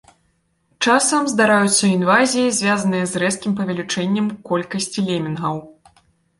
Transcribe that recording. Часам здараюцца інвазіі, звязаныя з рэзкім павелічэннем колькасці лемінгаў.